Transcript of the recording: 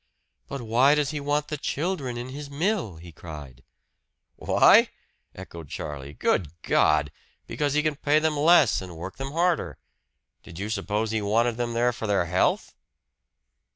"But why does he want the children in his mill?" he cried. "Why?" echoed Charlie. "Good God! Because he can pay them less and work them harder. Did you suppose he wanted them there for their health?"